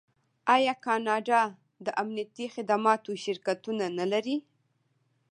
آیا کاناډا د امنیتي خدماتو شرکتونه نلري؟